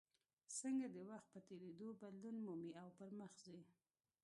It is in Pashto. څنګه د وخت په تېرېدو بدلون مومي او پرمخ ځي.